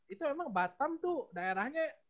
itu memang batam tuh daerahnya